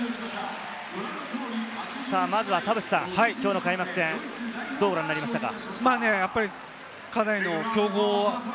まずは田臥さん、きょうの開幕戦、どうご覧になりましたか？